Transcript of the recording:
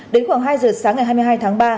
đến khoảng hai giờ sáng ngày hai mươi hai tháng ba